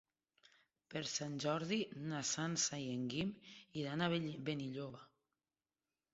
Per Sant Jordi na Sança i en Guim iran a Benilloba.